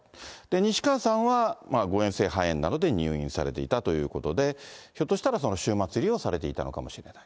西川さんは、誤嚥性肺炎などで入院されていたということで、ひょっとしたら終末医療されていたのかもしれない。